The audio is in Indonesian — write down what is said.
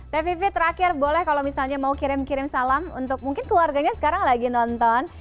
teh vivi terakhir boleh kalau misalnya mau kirim kirim salam untuk mungkin keluarganya sekarang lagi nonton